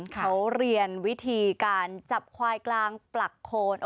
เขาเรียนวิธีการจับควายกลางปลักโคน